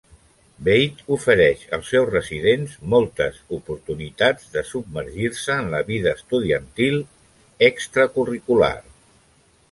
Beit ofereix als seus residents moltes oportunitats de submergir-se en la vida estudiantil extracurricular.